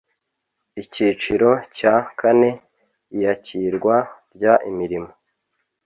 icyiciro cya kane iyakirwa ry imirimo